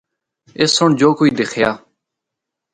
آس سنڑ جو کجھ دیخیا۔